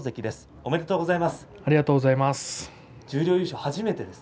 おめでとうございます。